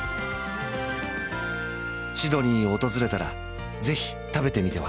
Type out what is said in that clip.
シドニーを訪れたら是非食べてみては？